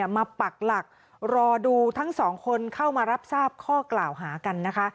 ปักหลักรอดูทั้งสองคนเข้ามารับทราบข้อกล่าวหากันนะคะ